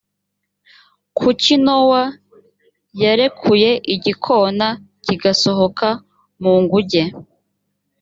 kuki nowa yarekuye igikona kigasohoka mu nguge